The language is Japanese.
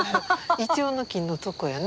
イチョウの木のとこやな。